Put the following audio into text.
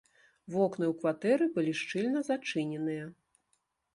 Вокны ў кватэры былі шчыльна зачыненыя.